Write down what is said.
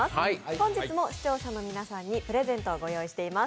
本日も視聴者の皆さんにプレゼントをご用意しています。